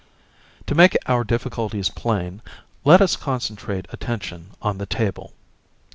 To make our difficulties plain, let us concentrate attention on the table.